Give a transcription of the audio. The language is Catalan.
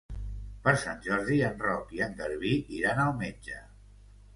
Per Sant Jordi en Roc i en Garbí iran al metge.